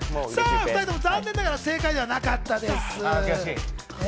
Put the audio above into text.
２人とも残念ながら正解ではなかったです。